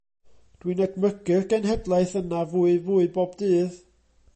Dwi'n edmygu'r genhedlaeth yna fwy fwy bob dydd.